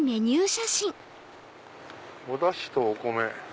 「おだしとお米」。